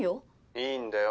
いいんだよ